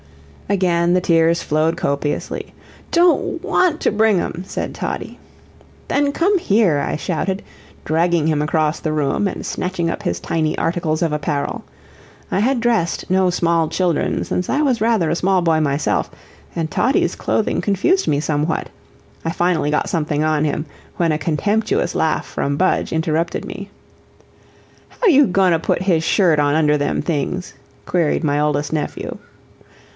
Again the tears flowed copiously. "Don't WANT to bring 'em," said Toddie. "Then come here!" I shouted, dragging him across the room, and snatching up his tiny articles of apparel. I had dressed no small children since I was rather a small boy myself, and Toddie's clothing confused me somewhat. I finally got something on him, when a contemptuous laugh from Budge interrupted me. "How you goin' to put his shirt on under them things?" queried my oldest nephew.